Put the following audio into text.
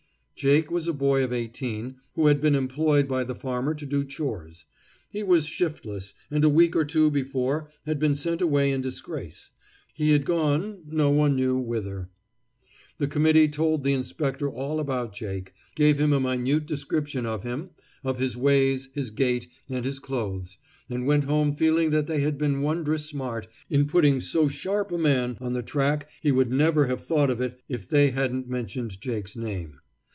Jake was a boy of eighteen, who had been employed by the farmer to do chores. He was shiftless, and a week or two before had been sent away in disgrace. He had gone no one knew whither. The committee told the inspector all about Jake, gave him a minute description of him, of his ways, his gait, and his clothes, and went home feeling that they had been wondrous smart in putting so sharp a man on the track he would never have thought of if they hadn't mentioned Jake's name.